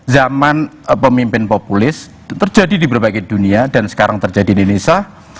zaman pemimpin populis terjadi di berbagai dunia dan sekarang terjadi di indonesia